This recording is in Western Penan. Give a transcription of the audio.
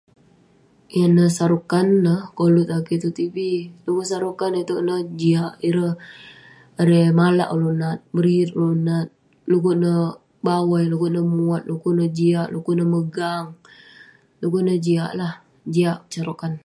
Ineh Shah Rukh Khan neh, koluk tan kik tong tv,du'kuk Shah Rukh Khan itouk ineh, jiak..ireh, erei..malak ulouk nat, meriyet ulouk nat, du'kuk neh bawai, du'kuk neh muat du'kuk jiak du'kuk neh megang du'kuk neh jiak lah..Jiak Shah Rukh Khan